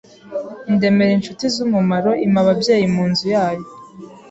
indemera incuti z’umumaro, impa ababyeyi mu nzu yayo